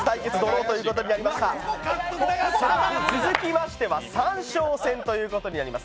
続きましては三将戦ということになります。